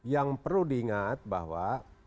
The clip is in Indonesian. yang perlu diingat bahwa